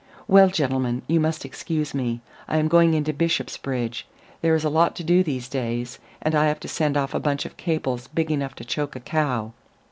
Well, gentlemen, you must excuse me. I am going in to Bishopsbridge. There is a lot to do these days, and I have to send off a bunch of cables big enough to choke a cow."